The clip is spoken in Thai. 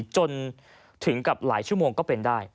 จนถึงกับหลายชั่วโมงก็เป็นได้